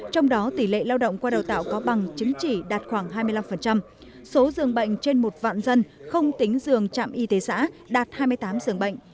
trong đó tỷ lệ lao động qua đào tạo có bằng chứng chỉ đạt khoảng hai mươi năm số dường bệnh trên một vạn dân không tính dường trạm y tế xã đạt hai mươi tám dường bệnh